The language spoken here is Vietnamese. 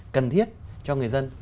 cần thiết cho người dân